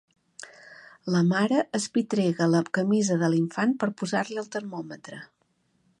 La mare espitrega la camisa de l'infant per posar-li el termòmetre.